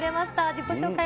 自己紹介